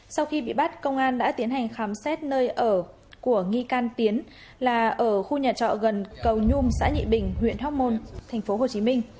sau khi bị bắt công an đã tiến hành khám xét nơi ở của nghi can tiến là ở khu nhà trọ gần cầu nhung xã nhị bình huyện hóc môn tp hcm